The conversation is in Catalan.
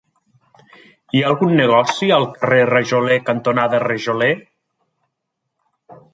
Hi ha algun negoci al carrer Rajoler cantonada Rajoler?